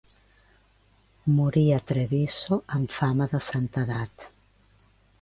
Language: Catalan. Morí a Treviso amb fama de santedat.